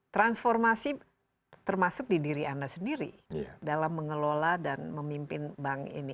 transformasi termasuk di diri anda sendiri dalam mengelola dan memimpin bank ini